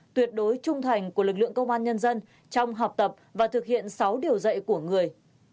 tuyệt đối trung thành của lực lượng công an nhân dân trong học tập và thực hiện sáu điều dạy của người